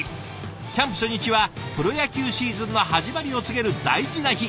キャンプ初日はプロ野球シーズンの始まりを告げる大事な日。